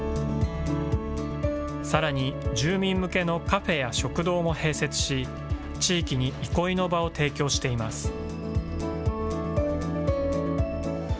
さらに、住民向けのカフェや食堂も併設し、地域に憩いの場を提供しています。